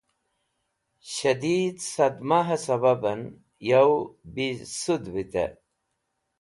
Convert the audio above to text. Shadeed Sadmahe Sababen Yow Bisud Vitey